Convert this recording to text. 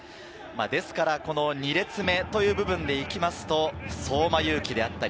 ですから２列目という部分でいきますと相馬勇紀であったり、